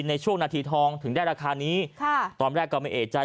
ในช่วงนาทีทองถึงได้ราคานี้ค่ะตอนแรกก็ไม่เอกใจ